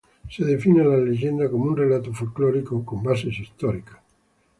Se define a la leyenda como un relato folclórico con bases históricas.